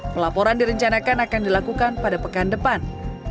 pelaporan direncanakan akan dilakukan pada pekan depan